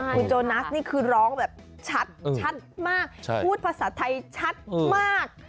คุณโจนัสนี่คือร้องแบบชัดมากพูดภาษาไทยชัดมาก